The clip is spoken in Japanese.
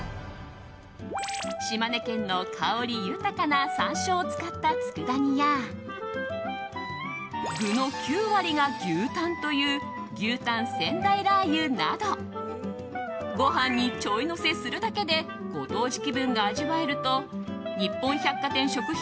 島根県の香り豊かな山椒を使ったつくだ煮や具の９割が牛タンという牛タン仙台ラー油などご飯にちょいのせするだけでご当地気分が味わえると日本百貨店しょく